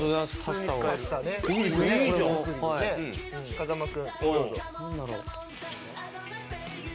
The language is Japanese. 風間君。